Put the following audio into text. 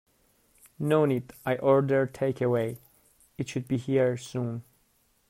No need, I ordered take away, it should be here soon.